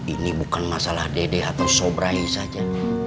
ini bukan masalah dede atau sobrai saja